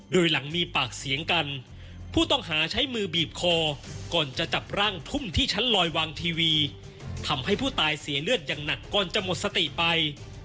โดยหลังมีปากเสียงกันผู้ต้องหาใช้มือบีบคอก่อนจะจับร่างทุ่มที่ชั้นลอยวางทีวีทำให้ผู้ตายเสียเลือดอย่างหนักก่อนจะหมดสติไป